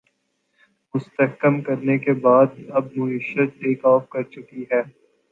مستحکم کرنے کے بعد اب معیشت ٹیک آف کر چکی ہے